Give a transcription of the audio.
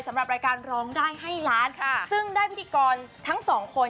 สำหรับรายการร้องได้ให้ล้านค่ะซึ่งได้พิธีกรทั้งสองคน